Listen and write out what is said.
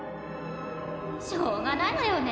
・しょうがないわよね。